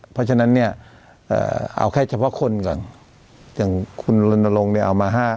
เพราะฉะนั้นเนี่ยเอาแค่เฉพาะคนก่อนอย่างคุณลนลงเนี่ยเอามา๕